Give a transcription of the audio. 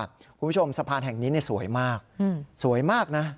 คุณผู้ชมสะพานแห่งนี้สวยมากสวยมากนะ